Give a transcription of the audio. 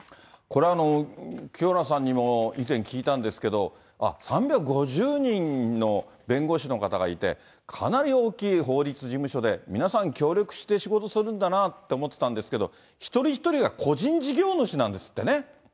これ、清原さんにも以前聞いたんですけど、あっ、３５０人の弁護士の方がいて、かなり大きい法律事務所で、皆さん協力して仕事をするんだなって思ってたんですけど、一人一人が個人事業主なんですってね。